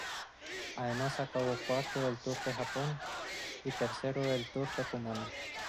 Además acabó cuarto del Tour de Japón y tercero del Tour de Kumano.